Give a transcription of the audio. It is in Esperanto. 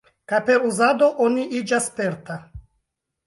Kaj per uzado, oni iĝas sperta.